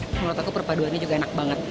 menurut aku perpaduannya juga enak banget